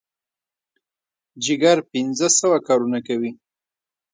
جګر پنځه سوه کارونه کوي.